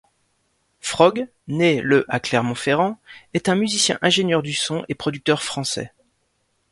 Frog, né le à Clermont-Ferrand, est un musicien, ingénieur du son et producteur français.